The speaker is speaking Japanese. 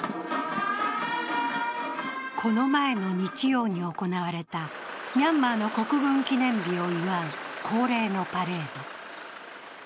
この前の日曜に行われたミャンマーの国軍記念日を祝う恒例のパレード。